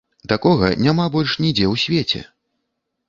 Такога няма больш нідзе ў свеце!